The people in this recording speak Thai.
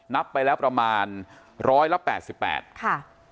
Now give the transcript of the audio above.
นับไปแล้วประมาณร้อยละแปดสิบแปดค่ะ